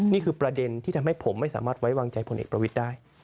นี่คือประเด็นที่ทำให้ผมไม่สามารถไว้วางใจพลเอกประวิทย์ได้